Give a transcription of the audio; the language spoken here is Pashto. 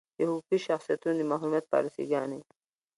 د حقوقي شخصیتونو د محرومیت پالیسي ګانې.